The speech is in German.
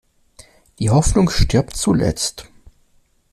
Die Hoffnung stirbt zuletzt.